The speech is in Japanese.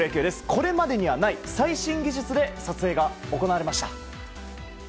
これまでにはない最新技術で撮影が行われました。